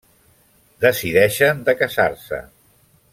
Decideixen de casar-se.